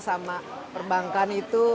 sama perbankan itu